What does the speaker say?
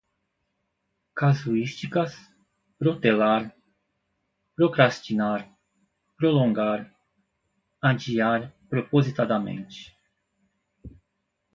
casuísticas, protelar, procrastinar, prolongar, adiar propositadamente